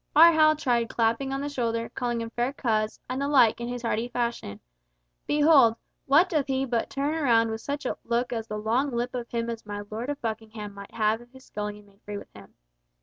Our Hal tried clapping on the shoulder, calling him fair coz, and the like, in his hearty fashion. Behold, what doth he but turn round with such a look about the long lip of him as my Lord of Buckingham might have if his scullion made free with him.